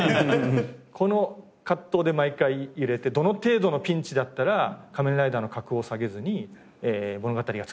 この葛藤で毎回揺れてどの程度のピンチだったら仮面ライダーの格を下げずに物語がつくれるのか。